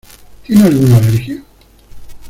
¿Tiene alguna alergia?